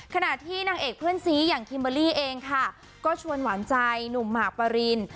ขณะที่นางเอกเพื่อนซีอย่างคิมเบอร์รี่เองค่ะก็ชวนหวานใจหนุ่มหมากปริน